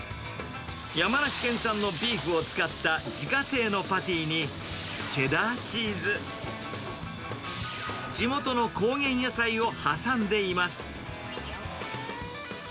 山梨県産のビーフを使った自家製のパティにチェダーチーズ、地元の高原野菜を挟んでいます。